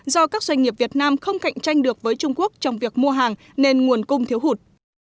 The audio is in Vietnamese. do các doanh nghiệp việt nam không cạnh tranh được với trung quốc trong việc mua hàng nên nguồn cung thiếu hụt